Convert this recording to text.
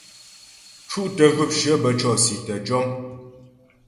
Cútə zhwəpshyə bə́ cɔ̀si tə́ jɔm.